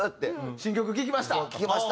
「新曲聴きました」。